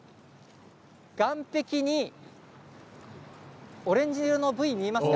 岩壁にオレンジ色のブイが見えますか？